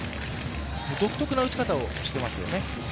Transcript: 独特な打ち方をしてますよね。